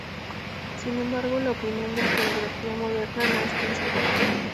Sin embargo, la opinión de historiografía moderna no es tan simpática.